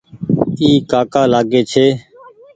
اي ڪآڪآ لآگي ڇي۔